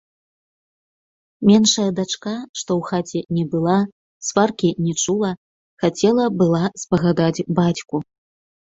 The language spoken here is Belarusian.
Меншая дачка, што ў хаце не была, сваркі не чула, хацела была спагадаць бацьку.